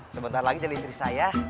sebentar lagi jadi istri saya